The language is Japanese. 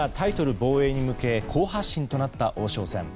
防衛に向け好発進となった王将戦。